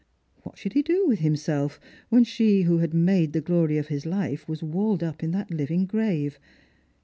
What should he do with himself, when she who had made the glory of his life was walled up in that living grave